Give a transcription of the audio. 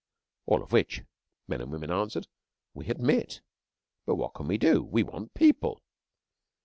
'All of which,' men and women answered, 'we admit. But what can we do? We want people.'